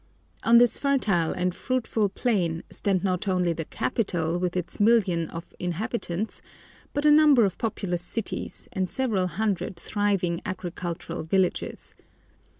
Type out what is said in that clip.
On this fertile and fruitful plain stand not only the capital, with its million of inhabitants, but a number of populous cities, and several hundred thriving agricultural villages.